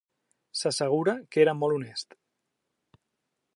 S'assegura que era molt honest.